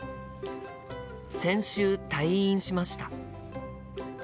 先週退院しました。